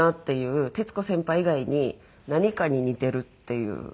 徹子先輩以外に何かに似てるっていう。